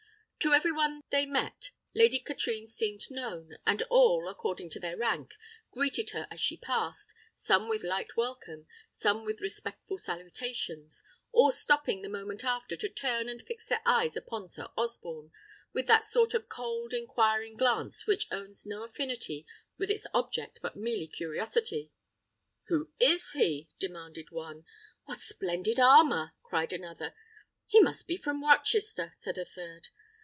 To every one they met Lady Katrine seemed known, and all, according to their rank, greeted her as she passed, some with light welcome, some with respectful salutations, all stopping the moment after to turn and fix their eyes upon Sir Osborne, with that sort of cold, inquiring glance which owns no affinity with its object but mere curiosity. "Who is he?" demanded one. "What splendid armour!" cried another. "He must be from Rochester," said a third.